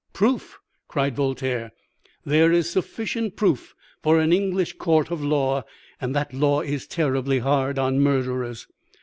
"'Proof!' cried Voltaire. 'There is sufficient proof for an English court of law, and that law is terribly hard on murderers.'